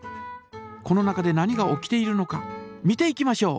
この中で何が起きているのか見ていきましょう！